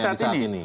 di saat ini